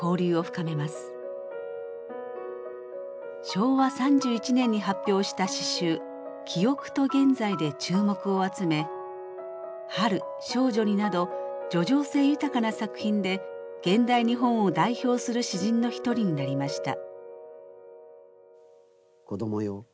昭和３１年に発表した詩集「記憶と現在」で注目を集め「春少女に」など叙情性豊かな作品で現代日本を代表する詩人の一人になりました。